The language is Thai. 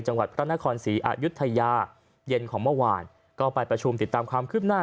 จังหวัดพระนครศรีอายุทยาเย็นของเมื่อวานก็ไปประชุมติดตามความคืบหน้า